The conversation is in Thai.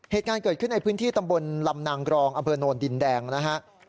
เหตุการณ์เกิดขึ้นในพื้นที่ตำบลลำนางกรองอำเภอโนนดินแดงนะฮะ